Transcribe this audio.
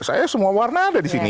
saya semua warna ada disini